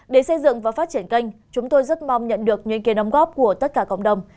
để xây dựng và phát triển kênh chúng tôi rất mong nhận được những kiến đóng góp của tất cả cộng đồng